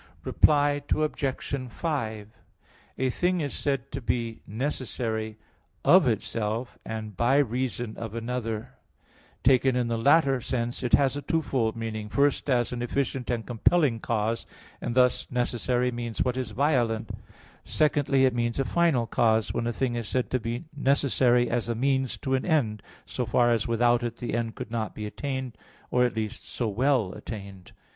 Reply Obj. 5: A thing is said to be necessary "of itself," and "by reason of another." Taken in the latter sense, it has a twofold meaning: firstly, as an efficient and compelling cause, and thus necessary means what is violent; secondly, it means a final cause, when a thing is said to be necessary as the means to an end, so far as without it the end could not be attained, or, at least, so well attained.